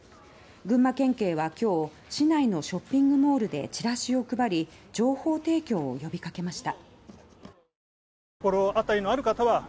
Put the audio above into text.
群馬県警は今日市内のショッピングモールでチラシを配り情報提供を呼びかけました。